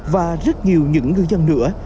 và rất nhiều những ngư dân nữa